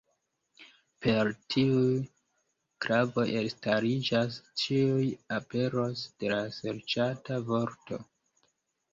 Per tiuj klavoj elstariĝas ĉiuj aperoj de la serĉata vorto.